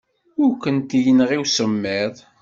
Ur kent-yenɣi usemmiḍ.